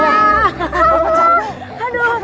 kasian opa jadi ini